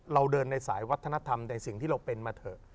เราเดินในสายวัฒนธรรมในสิ่งที่เราเป็นมาเถอะ